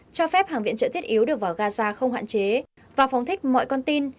cho phép hàng viện trợ thiết yếu được vào gaza không hạn chế và phóng thích mọi con tin